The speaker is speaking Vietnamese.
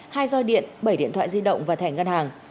hai roi điện bảy điện thoại di động và thẻ ngân hàng